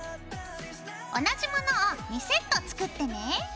同じものを２セット作ってね。